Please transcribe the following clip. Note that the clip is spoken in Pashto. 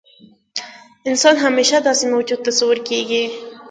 انسان همیشه داسې موجود تصور کېږي.